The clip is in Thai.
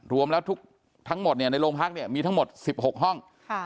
รวมแล้วทั้งหมดในโรงพักเนี่ยมีทั้งหมด๑๖ห้อง